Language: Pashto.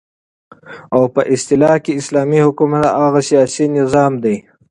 او په اصطلاح كې اسلامي حكومت هغه سياسي نظام دى